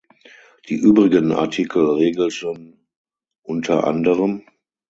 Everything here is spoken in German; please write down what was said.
Die übrigen Artikel regelten unter anderem.